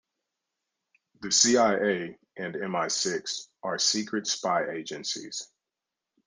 The CIA and MI-Six are secret spy agencies.